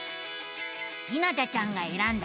ひなたちゃんがえらんだ